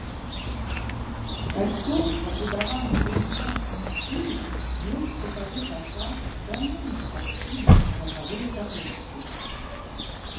Касцёл, пабудаваны ў рэнесансным стылі, меў шчытавы фасад, гранёную апсіду, бакавыя капліцы.